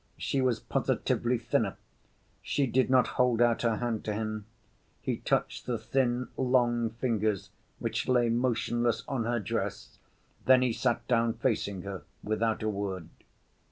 She was positively thinner. She did not hold out her hand to him. He touched the thin, long fingers which lay motionless on her dress, then he sat down facing her, without a word.